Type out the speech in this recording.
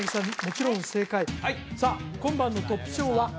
もちろん正解さあ今晩のトップ賞は？